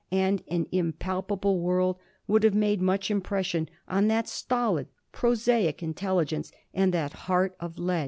and an impalpable world, would have made much impression on that stolid, prosaic intelligence and that heart of lead.